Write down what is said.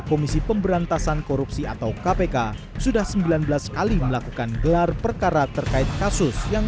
komisi pemberantasan korupsi atau kpk sudah sembilan belas kali melakukan gelar perkara terkait kasus yang